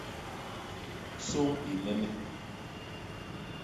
Sôñ i nnene.